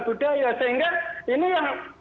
budaya sehingga ini yang